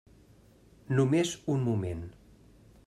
Només un moment.